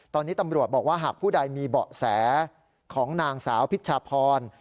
ตอนนี้ตำรวจบอกว่าหากผู้ใดมีเบาะแสของนางสาวพิชชาพร